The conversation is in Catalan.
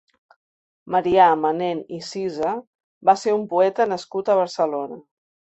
Marià Manent i Cisa va ser un poeta nascut a Barcelona.